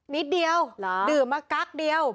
นิดเดียวดื่มมากั๊กเดียว